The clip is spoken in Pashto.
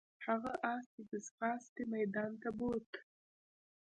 هغه اس ته د ځغاستې میدان ته بوت.